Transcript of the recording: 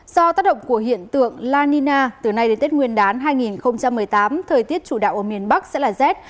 do tác động của hiện tượng la nina từ nay đến tết nguyên đán hai nghìn một mươi tám thời tiết chủ đạo ở miền bắc sẽ là rét